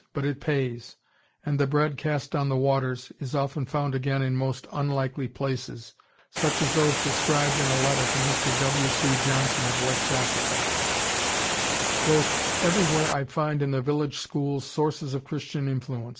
But it pays, and the "bread cast on the waters" is often found again in most unlikely places, such as those described in a letter from Mr. W. C. Johnson of West Africa: "Everywhere I find in the village schools sources of Christian influence.